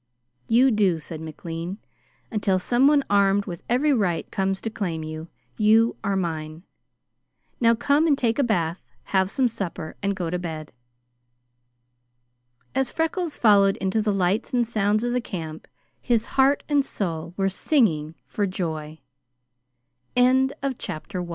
"You do," said McLean. "Until someone armed with every right comes to claim you, you are mine. Now, come and take a bath, have some supper, and go to bed." As Freckles followed into the lights and sounds of the camp, his heart and soul were singing for joy. CHAPTER II Wherein Freckles Proves His Mett